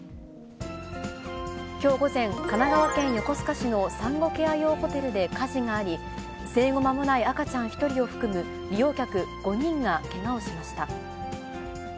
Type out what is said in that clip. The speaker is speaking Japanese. きょう午前、神奈川県横須賀市の産後ケア用ホテルで火事があり、生後まもない赤ちゃん１人を含む利用客５人がけがをしました。